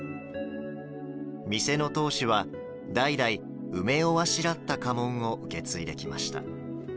店の当主は代々、梅をあしらった家紋を受け継いできました。